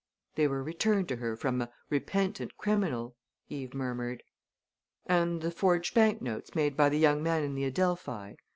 "They were returned to her from 'a repentant criminal,'" Eve murmured. "And the forged banknotes made by the young man in the Adelphi?"